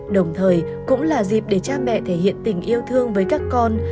đồng thời cũng là dịp để cha mẹ thể hiện tình yêu thương với các con